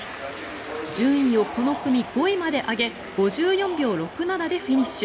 順位をこの組、５位まで上げ５４秒６７でフィニッシュ。